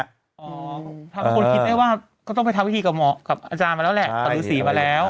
ทำคนคิดได้ว่าก็ต้องไปทำพิธีกับเหมาะกับอาจารย์มาแล้วแหละกับฤษีมาแล้ว